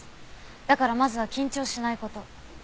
だからまずは緊張しないこと。